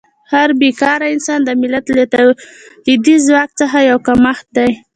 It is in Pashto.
هر بېکاره انسان د ملت له تولیدي ځواک څخه یو کمښت دی.